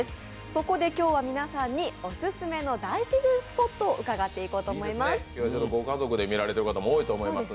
そこで今日は皆さんにオススメの大自然スポットを伺っていきたいと思います。